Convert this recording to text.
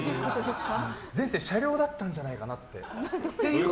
前世車両だったんじゃないかなって。